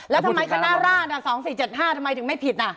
แล้วทำไมคณะราช๒๔๗๕ทำไมถึงไม่ผิด